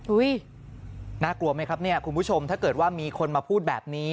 น่ากลัวไหมครับเนี่ยคุณผู้ชมถ้าเกิดว่ามีคนมาพูดแบบนี้